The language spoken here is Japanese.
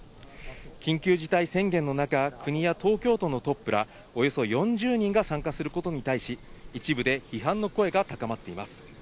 緊急事態宣言の中、国や東京都のトップらおよそ４０人が参加することに対し、一部で批判の声が高まっています。